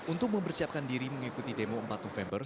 untuk mempersiapkan diri mengikuti demo empat november